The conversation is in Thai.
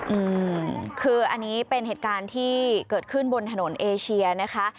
อืมคืออันนี้เป็นเหตุการณ์ที่เกิดขึ้นบนถนนเอเชียนะคะ